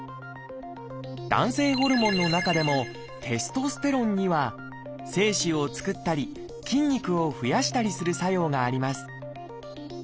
男性ホルモンの中でも「テストステロン」には精子を作ったり筋肉を増やしたりする作用があります。